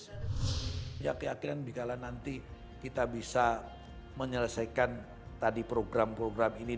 saya yakin jika nanti kita bisa menyelesaikan tadi program program ini